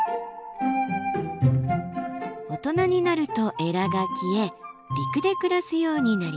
大人になるとエラが消え陸で暮らすようになります。